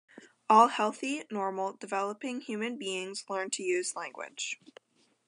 All healthy, normally developing human beings learn to use language.